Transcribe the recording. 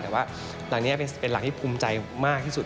แต่ว่าหลังนี้เป็นหลังที่ภูมิใจมากที่สุด